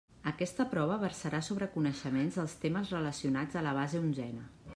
Aquesta prova versarà sobre coneixements dels temes relacionats a la base onzena.